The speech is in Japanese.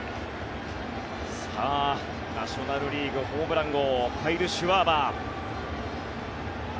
ナショナル・リーグホームラン王カイル・シュワバー。